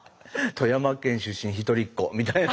「富山県出身一人っ子」みたいな。